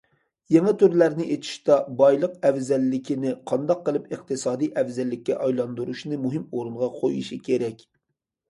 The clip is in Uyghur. يېڭى تۈرلەرنى ئېچىشتا بايلىق ئەۋزەللىكىنى قانداق قىلىپ ئىقتىسادىي ئەۋزەللىككە ئايلاندۇرۇشنى مۇھىم ئورۇنغا قويۇشى كېرەك.